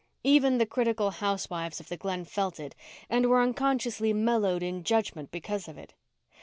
Even the critical housewives of the Glen felt it, and were unconsciously mellowed in judgment because of it.